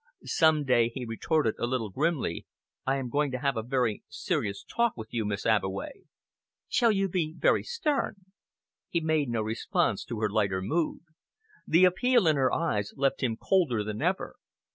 "Some day," he retorted, a little grimly, "I am going to have a very serious talk with you, Miss Abbeway." "Shall you be very stern?" He made no response to her lighter mood. The appeal in her eyes left him colder than ever.